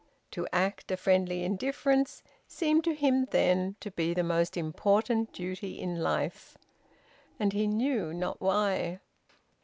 To act a friendly indifference seemed to him, then, to be the most important duty in life. And he knew not why.